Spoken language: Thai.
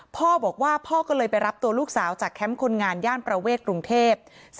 พ่อบอกว่าพ่อก็เลยไปรับตัวลูกสาวจากแคมป์คนงานย่านประเวทกรุงเทพ